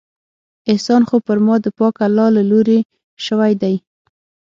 احسان خو پر ما د پاک الله له لورې شوى دى.